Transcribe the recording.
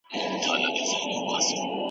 دښمن ته ماتې ورکول اسانه نه دي.